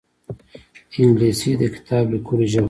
انګلیسي د کتاب لیکلو ژبه ده